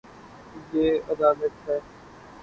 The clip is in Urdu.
یے ادالت ہے